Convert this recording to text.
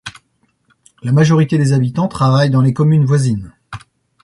La majorité des habitants travaille dans les communes voisines.